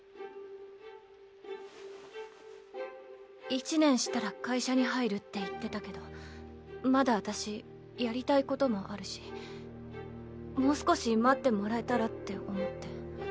１年したら会社に入るって言ってたけどまだ私やりたいこともあるしもう少し待ってもらえたらって思って。